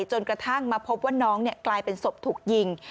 จนกระทั่งมาพบว่าน้องกลายเป็นศพถูกยิง